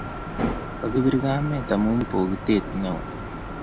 kokibir kamet amu bokitee neoo